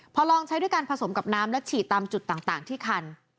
พอลองใช้ด้วยการผสมกับน้ำและฉีดตามจุดต่างที่คัน